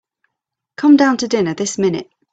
Come down to dinner this minute.